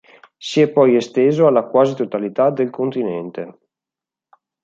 Si è poi esteso alla quasi totalità del continente.